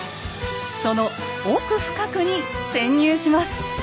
その奥深くに潜入します。